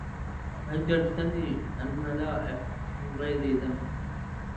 هجرتني الملاح من غير ذنب